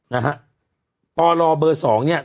นะฮะปลเบอร์สองเนี่ย